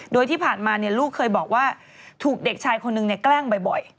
โดยที่ผ่านมาลูกเคยบอกว่าถูกเด็กชายคนนึงแกล้งบ่อย